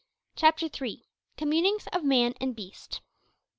CHAPTER THREE. COMMUNINGS OF MAN AND BEAST.